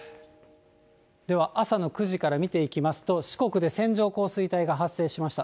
では朝の９時から見ていきますと、四国で線状降水帯が発生しました。